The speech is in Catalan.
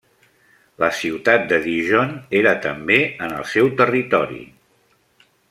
La ciutat de Dijon era també en el seu territori.